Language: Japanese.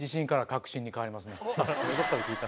どこかで聞いた。